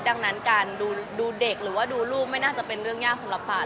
ดังนั้นการดูเด็กหรือว่าดูลูกไม่น่าจะเป็นเรื่องยากสำหรับป่าน